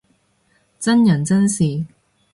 真人真事